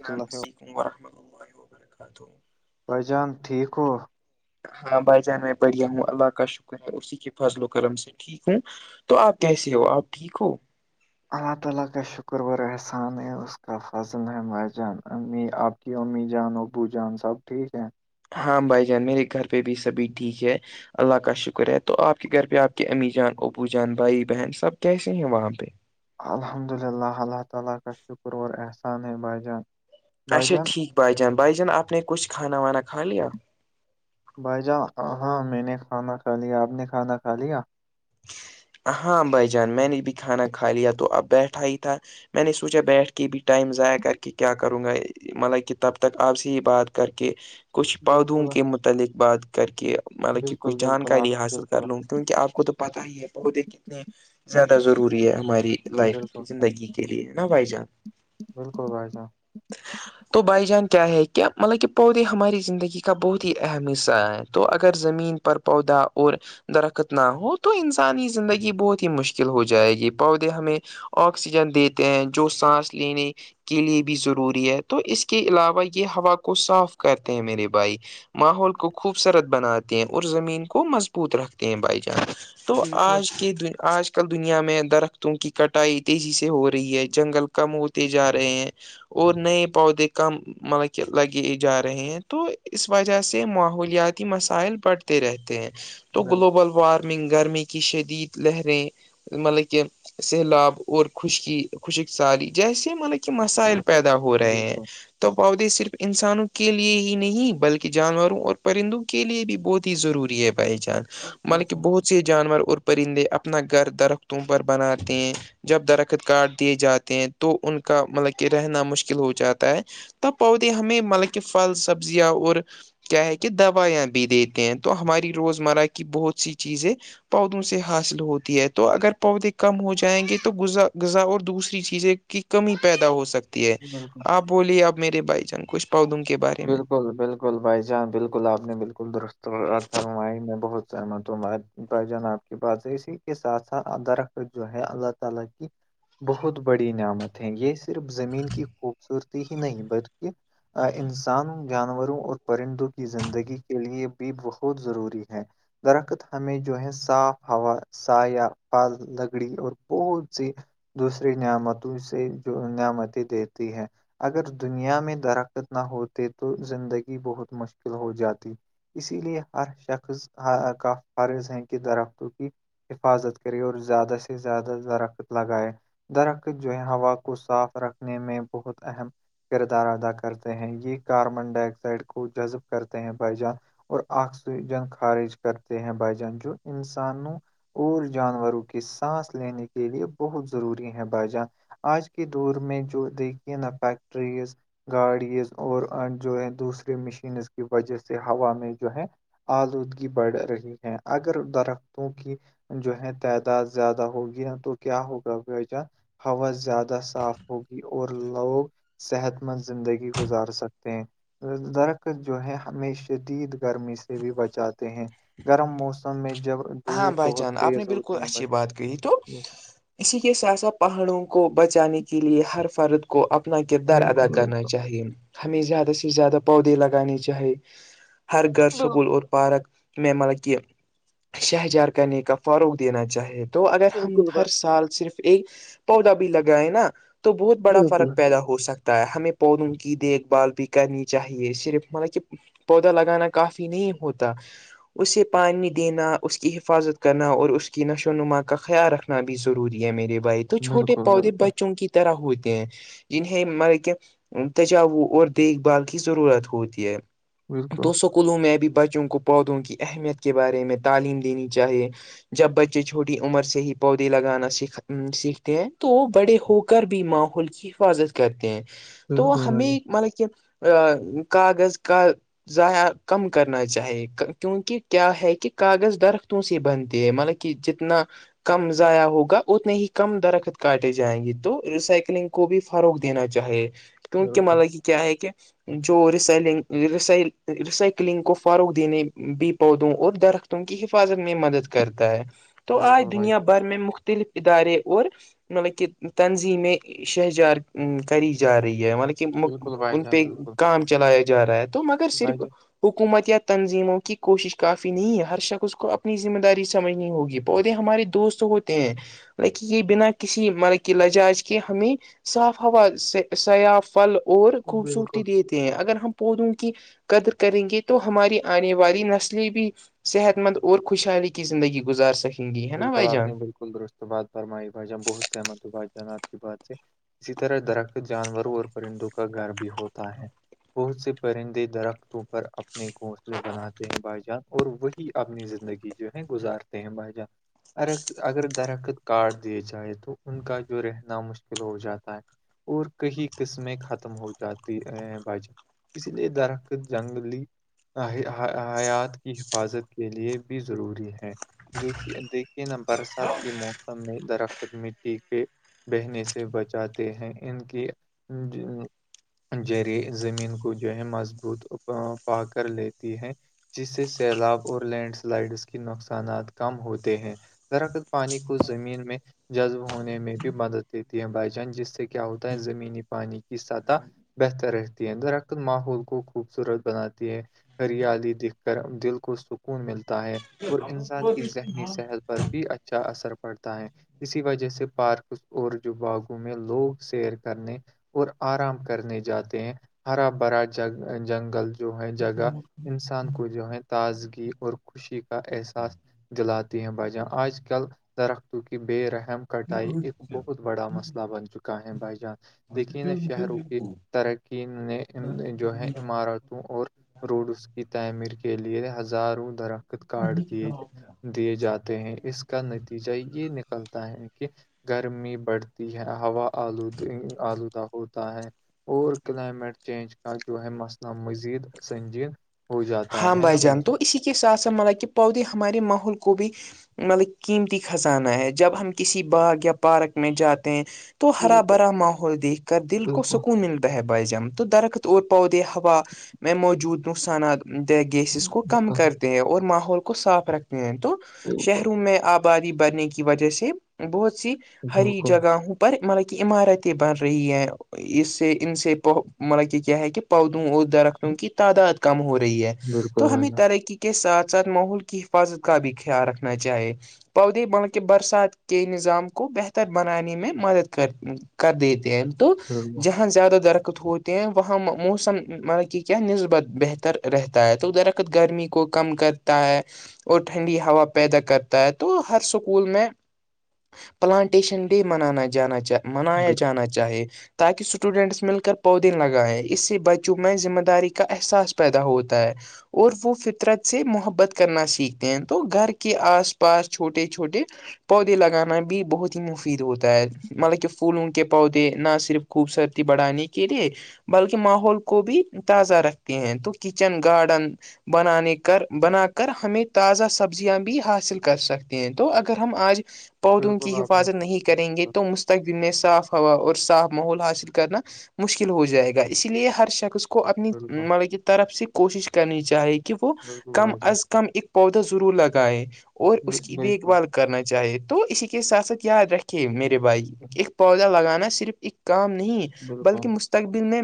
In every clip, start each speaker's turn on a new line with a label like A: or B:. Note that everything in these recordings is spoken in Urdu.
A: السلام
B: اللہ
A: علیکم ورحمۃ اللہ وبرکاتہ
B: بائی جان ٹھیک ہو
A: ہاں بھائی جان میں بڑھیا ہوں اللہ کا شکر ہے اسی کے فاضل و کرم سے ٹھیک ہوں تو آپ کیسے ہو آپ ٹھیک ہو
B: اور اپ اللہ کا شکر احسان ہے اس کا فضل ہے مائی جان امی اپ کی امی جان ابو جان سب ٹھیک ہے
A: ہاں بھائی جان میرے گھر پہ بھی سبھی ٹھیک ہے اللہ کا شکر ہے تو آپ کے گھر پہ آپ کے امی جان ابو جان بھائی بہن سب کیسے ہیں وہاں پہ
B: الحمدللہ اللہ تعالی کا شکر اور احسان ہے بھائی جان ان
A: اچا ٹھیک بائی جان بائی جان اپنے کچھ کھانا وانا کا لیا
B: بھائی جان ہاں میں نے کھانا کھا لیا آپ نے کھانا کھا لیا
A: ہاں بھائی جان میں نے بھی کھانا کھا لیا تو اب بیٹھا ہی تھا میں نے سوچا بیٹھ کے بھی ٹائم ضائع کر کے کیا کروں گا مطلب کہ تب تک آپ سے ہی بات کر کے کچھ پودوں
B: بالکل
A: کے متعلق بات کر کے مطلب کہ
B: بالکل
A: کچھ
B: بالکل آپ
A: جانکاری
B: نے
A: حاصل کر
B: بالکل
A: لوں کیونکہ آپ کو تو پتا ہی ہے پہودے کتنے زیادہ ضروری ہے ہماری لائف
B: بالکل بھائی
A: زندگی کے لیے نا بھائی جان
B: بالکل بھائی صاحب
A: تو بائی جان کیا ہے کہ مطلب کہ پودے ہماری زندگی کا بہت ہی اہم حصہ ہیں تو اگر زمین پر پودا اور درخت نہ ہو تو انسانی زندگی بہت ہی مشکل ہو جائے گی پودے ہمیں آکسیجن دیتے ہیں جو سانس لینے کے لیے بھی ضروری ہے تو اس کے علاوہ یہ ہوا کو صاف کرتے ہیں میرے بھائی ماحول کو خوبصورت بناتے ہیں اور زمین کو مضبوط رکھتے ہیں بائی جان تو
B: بالکل
A: آج کی دیا آج کے آج کل دنیا میں درختوں کی کٹائی تیزی سے ہو رہی ہے جنگل کم ہوتے جا رہے ہیں اور نہیں پؤود کام [unintelligible] مطلب کہ لگے جا رہے ہیں تو اس وجہ سے ماحولیاتی مسائل بڑھ رہتے ہیں تو
B: بالکل
A: گلوبل وارمنگ گرمی کی شدید لہریں مطلب کہ سیلاب اور خوشکی خوشک سالی جیسے مطلب کہ مسائل پیدا ہو ہو رہے ہیں تو پودے صرف انسانوں کے لیے ہی نہیں بلکہ جانوروں اور پرندوں کے لیے بھی بہت ہی ضروری ہے پہچان ملک
B: بالکل
A: بہت سے جانور اور پرندے اپنا گھر درختوں پر بناتے ہیں جب درخت کارڈ دیے جاتے ہیں تو ان کا مطلب کہ رہنا مشکل ہو جاتا ہے تب پودے ہمیں مطلب کہ فھل سبزیاں اور کیا ہے کہ دوائیاں بھی دیتے ہیں تو ہماری روزمرہ کی بہت سی چیزیں پودوں سے حاصل ہوتی ہے تو اگر پودے کم ہو جائیں گے تو غذا غذا اور دوسری چیزیں کی کمی پیدا ہو سکتی ہے
B: بالکل
A: آپ بولیے اب میرے بھائی جان کچ پودوم کے بارے میں
B: بالکل بالکل بھائی جان بالکل آپ نے بالکل درستر ہی میں بہت سمت بائی جان آب کی بات ہے اسی کے ساتھ ساتھ ادرخت جو ہے اللہ تعالا کی [unintelligible] بہت بڑی نعمت ہے یہ صرف زمین کی خوبصورتی ہی نہیں بلکہ آ انس انسانوں جانوروں اور پرندوں کی زندگی کے لیے بھی بہت ضروری ہے درخت ہمیں جو ہے صاف ہوا سایہ پھل لگڑی اور بہت سی دوسری نعمتوں سے جو نعمتییں دیتی ہے اگر دنیا میں درخت نہ ہوتے تو زندگی بہت مشکل ہو جاتی اسی لیے ہر شخص کا فرض ہے کہ درختوں کی حفاظت کرے اور زیادہ سے زیادہ درخت لگائے درخت جو ہے ہوا کو صاف رکھنے میں بہت اہم کردار ادا کرتے ہیں یہ کاربن ڈائی آکسائڈ کو جذب کرتے ہیں بھائی جان اور آکسیجن خارج کرتے ہیں بھائی جان جو انسانوں اور جانوروں کی سانس لینے کے لیے بہت ضروری ہے بھائی جان آج کے دور میں جو دیکھیے نا فیکٹریز گاڑیز اور جو ہے دوسریے مشینز کی وجہ سے ہوا میں جو ہے آلودگی بڑھ رہی ہے اگر درختوں کی جو ہے تعداد زیادہ ہوگی تو کیا ہوگا بھائی جان ہوا زیادہ صاف ہوگی اور لوگ صحت مند زندگی گزار سکتے درخت جو ہے ہمیں شدید گرمی سے بھی بچاتے ہیں گرم موسم میں جب
A: ہاں
B: دھوپ
A: بھائی
B: بہت
A: جان آپ نے
B: تیز
A: بالکل
B: ہوتی ہے
A: اچھی
B: بچ
A: بات کہی تو اسی کے ساتھ ساتھ پہاڑوں کو بچانے کے لیے ہر فرد کو اپنا کردار ادا
B: بالکل
A: کرنا چاہیے ہمیں زیادہ سے زیادہ پودے لگانے چاہی ہر گھر
B: بالکل
A: سکول اور پارک میں مطلب کہ شجر کاری کا فروغ دینا چاہے تو اگر ہم
B: بالکل
A: ہر
B: بھائی
A: سال صرف ایک پودا بھی لگائے نا تو بہت بڑا
B: بالکل
A: فرق پیدا ہو ہو سکتا ہے ہمیں پودوں کی دیکھ بھال بھی کرنی چاہیے صرف مطلب کہ پودا لگانا کافی نہیں ہوتا اسے پانی دینا اس کی حفاظت کرنا اور اس کی نشو نما کا خیال رکھنا بھی ضروری ہے میرے بھائی تو چھوٹے
B: بالکل
A: پودے
B: بالکل
A: بچوں کی طرح ہوتے ہیں انہیں مطلب کہ تجاو اور دیکھ بھال کی ضرورت ہوتی ہے
B: بالکل
A: تو سکولوں میں بھی بچوں کو پودوں کی اہمیت کے بارے میں تعلیم دینی چاہیے جب بچے چھوٹی عمر سے ہی پودے لگانا س سیکھتے ہیں تو بڑے ہو کر بھی ماحول کی حفاظت کرتے ہیں تو
B: بالکل بھائی
A: ہمیں مطلب کہ کاغذ کا ذائع کم کرنا چاہیے کیونکہ کیا ہے کہ کاغذ درختوں سے بنتے ہے مطلب کہ جتنا کم ضائع ہوگا اتنے ہی کم درخت کاٹے جائیں گے تو ریسائکلنگ کو بھی فروغ دینا چاہیے کیونکہ
B: بالکل
A: مطلب کہ کیا ہے کہ جو ریسلنگی ریسائکلنگ کو فروغ دینے بھی پودوں اور درخت کی حفاظت میں مدد کرتا ہے تو آج
B: بالکل بھائی
A: دنیا بھر میں مختلف ادارے اور مطلب کہ تنظیمیں شجرکاری کری جا رہی ہے مطلب کہ
B: بالکل بھائی
A: ان
B: جان
A: پہ
B: بالکل
A: کام چلایا جا رہا ہے تو مگر
B: بھائی
A: صرف
B: جان
A: حکومت یا تنظیموں کی کوشش کافی نہیں ہے ہر شخص اس کو اپنی ذمہ داری سمجھنی ہوگی پودے ہمارے دوست ہوتے ہیں مطلب کہ یہ بنا کسی مطلب کہ لجاج کے ہمیں صاف ہوا سیا پھل اور خوبصورتی
B: بالکل
A: دیتی ہے اگر ہم پودوں کی قدر کریں گے تو ہماری آنے والی نسلییں بھی صحت مند اور خوشحالی کی زندگی گزار سکے
B: بالکل آپ نے بالکل درست بات پررمائی بھائی جان بہت سحمت ہو بھائی جان آپ کی بات سے اسی طرح درخت جانوروں اور پرندوں کا گھر بھی ہوتا ہے بہت سے پرندے درختوں پر اپنے گھونسلے بناتے ہیں بھائی جان اور وہی کہ اپنی زندگی جو ہے گزارتے ہیں بھائی جان ر اگر درخت کارڈ دیے جائے تو ان کا جو رہنا مشکل ہو جاتا ہے اور کئی قسمیں ختم ہو جاتی بج اس لیے درخت جنگلی حیات کی حفاظت کے لیے بھی ضروری ہے جو کہ دیکھیے نا برسات کے موسم میں درخت مٹی کے بہنے سے بچاتے ہیں ان کی جریعے زمین کو جو ہے مضبوط پا کر لیتی ہے جس سے سیلاب اور لینڈ سلائڈز کے نقصانات کم ہوتے ہیں درخت پانی کو زمین میں جذب ہونے میں بھی مدد دیتی ہے بھائی جان جس سے کیا ہوتا ہے زمینی پانی کی سطح بہتر رہتی ہے درختل ماحول کو خوبصورت بناتی ہے ہریالی دھ کر دل کو سکون ملتا ہے اور انسان کی ذہنی سے پر بھی اچھا اثر پڑتا ہے اسی وجہ سے پارک اور جو باغوں میں لوگ سیر کرنے اور آرام کرنے جاتے ہیں ہرا بھرا ج جنگل جو ہے جگہ انسان کو جو ہے تازگی اور خوشی کا احساس دلات تی بجہ آج کل درختوں کی بے رحم کٹائی ایک بہت بڑا مسئلہ بن چکا ہے بھائی جان لیکین شہروں کی ترقی نے جو ہے عمارتوں اور روڈ اس کی تعمیر کے لیے ہزاروں درخت کارڈ دیےئے دیے جاتے ہیں اس کا نتیجہ یہ نکلتا ہے کہ گرمی بڑھتی ہے ہوا آلودی آلودہ ہوتا ہے اور کلائمیٹ چینج کا جو ہے مسئلہ مزید سنجین
A: ہام بھ جان تو اسی کے ساتھ س مطلب کہ پودے ہمارے ماحول کو بھی مطلب قیمتی خزانہ ہے جب ہم کسی باغ یا پارک میں جاتے ہیں تو ہرا
B: بالکل
A: بھرا ماحول دیکھ کر دل کو
B: بالکل
A: سکون ملیا د بازم تو درخت اور پودے ہوا میں موجود نقصانات گیسز کو کم
B: بالکل
A: کرتے ہیں اور ماحول کو صاف رکھتے ہیں تو
B: بالکل
A: شہروں میں آپ آبادی بڑنے کی وجہ سے بہت سی ہری
B: بالکل
A: جگہوں پر مطلب کہ عمارتیں بن رہی ہیں اس سے ان سے مطلب کہ کیا ہے کہ پودوں اور درختوں کی تعداد کم ہو رہی رہی ہے
B: بالکل
A: تو
B: بھائی
A: ہمیں
B: جان
A: ترقی کے ساتھ ساتھ ماحول کی حفاظت کا بھی خیال رکھنا چاہیے پودے بلکہ برسات کے نظام کو بہتر بنانے میں مدد کر کر دیتے ہیں تو
B: بالکل
A: جہاں زیادہ درکت ہوتے ہیں وہاں موسم ملب کہ کیا نسبت بہتر رہتا ہے تو درخت گرمی کو کم کرتا ہے اور ٹھنڈی ہوا پیدا کرتا ہے تو ہر سکول میں پلانٹیشن ڈے منانا جانا چ منایا
B: بالکل
A: جانا چاہے تاکہ اسٹوڈنٹس مل کر پودے لگائیں اس سے بچوں میں ذمہ داری کا احساس پیدا ہوتا ہے اور وہ فطرت سے محبت کرنا سیکھتے ہیں تو گھر کے آس پاس چھوٹے چھوٹے پودے لگانا بھی بہت ہی مفید ہوتا ہے مطلب کہ پھول انول کے پودے نہ صرف خوبصورتی بڑھانے کے لیے بلکہ ماحول کو بھی تازہ رکھتے ہیں تو کچن گارڈن بنانے کر بنا کر ہمیں تازہ سبزیاں بھی حاصل کر سکتے ہیں تو اگر ہم آج پودوں
B: بالکل
A: کی
B: آپ نے
A: حفاظت نہیں
B: بالکل
A: کریں گے تو م [unintelligible] تک دن میں صاف ہوا اور صاف ماحول حاصل کرنا مشکل ہو جائے گا اسی لیے ہر شخص کو کو اپنی
B: بالکل
A: مطلب کی طرف سے کوشش کرنی چاہی کہ وہ
B: بالکل
A: کم
B: بھائی جان
A: از کم ایک پودا ضرور لگائے اور اس
B: بل-
A: کی دیکھ
B: بالکل
A: بھال کرنا چاہیے تو اسی کے ساتھ ساتھ یاد رکھے میرے بھائی
B: بالکل
A: ایک پودا لگانا صرف ایک کام نہیں بلکہ
B: بالکل
A: ستقبل میں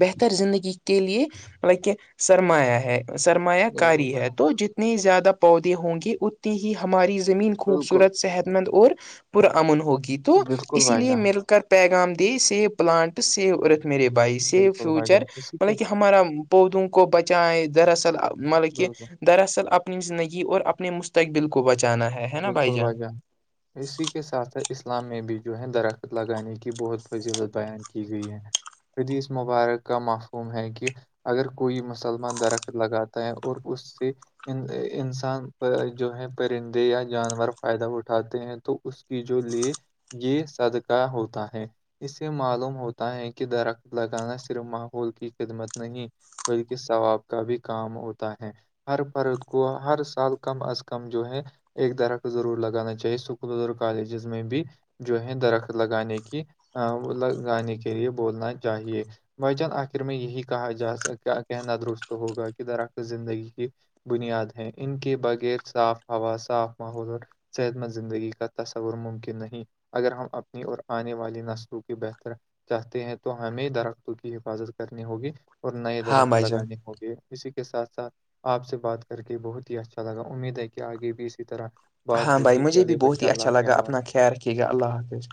A: بہتر زندگی کے لیے لط کہ سرمایہ ہے سرمایہ کاری
B: بھائی
A: ہے
B: جان،
A: تو جتنے زیادہ پودے ہوں گے اتنی ہی ہماری زمین
B: بالکل
A: خوبصورت صحت مند اور پرامن ہوگی تو
B: بالکل
A: اسی
B: بھائی
A: لیے
B: جان
A: مل کر پیغام د سی پلانٹ سی ارت میرے بائی سی
B: بالکل بھائی
A: فیوچر
B: جان اسی کے
A: مطلب کہ [unintelligible] ہمارا پودوں کو بچائے دراصل مطلب کہ
B: بالکل
A: دراصل اب اپنی زندگی اور اپنے مستقبل کو بچانا ہے ہے نا بھائی
B: بالکل
A: جان
B: بھجان [unintelligible] اسی کے ساتھ ساتھ اسلام میں بھی جو ہے درخت لگانے کی بہت فضیلت بیان کی گئی ہے یدی اس مبارک کا معفوم ہے کہ اگر کوئی مسلمان درخت لگاتا ہے اور اس سے ان انسان جو ہے پرند یا جانور فائدہ اٹھاتے ہیں تو اس کی جو لیے یہ صدقہ ہوتا ہے اسے معلوم ہوتا ہے کہ درخت لگانا صرف ماحول کی خدمت نہیں بلکہ ثواب کا بھی کام ہوتا ہے ہر پرت کو ہر سال کم از کم جو ہے ایک درح کو ضرور لگانا چاہیے اسکولز اور کالجز میں بھی جو ہے درخت لگانے کی لگانے کے لیے بولنا چاہیے بھائی جان آخر میں یہی کہا جاک کہنا درست ہوگا کہ درخت زندگی کی بنیاد ہیں ان کے بغیر صاف ہوا صاف ماحول اور صحت مند زندگی کا تصور ممکن نہیں اگر ہم اپنی اور آنے والی نسلوں کی بہتر چاہتے ہیں تو ہمیں درختوں کی حفاظت کرنی ہوگی اور نئے
A: ہاں
B: درخت
A: بھائی جان
B: لگانے ہوگے اسی کے ساتھ ساتھ آپ سے بات کر کے بہت ہی اچھا لگا امید ہے کہ آگے بھی اس کی طرح [inaudible]
A: ہاں بھائی مجھے
B: چلیے
A: بھی بہت
B: بیٹے
A: ہی
B: اللہ
A: اچھا
B: کے
A: لگا
B: حوالے
A: اپنا خیال رکھیے گا اللہ حافظ